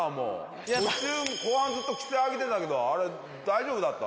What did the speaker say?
途中後半ずっと奇声上げてたけどあれ大丈夫だった？